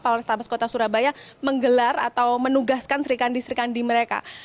polrestabes kota surabaya menggelar atau menugaskan serikandi serikandi mereka